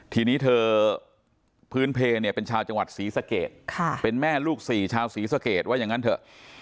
ทีนี้เธอพื้นเพลเนี่ยเป็นชาวจังหวัดศรีสะเกดเป็นแม่ลูกสี่ชาวศรีสะเกดว่าอย่างนั้นเถอะ